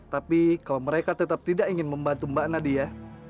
tapi kalau mereka tetap tidak ingin membantu mbak nadia